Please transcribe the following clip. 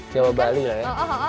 jawa bali lah ya